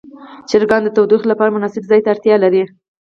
چرګان د تودوخې لپاره مناسب ځای ته اړتیا لري.